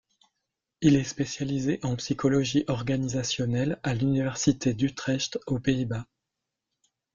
Il est spécialisé en psychologie organisationnelle à l'Université d'Utrecht aux Pays-Bas.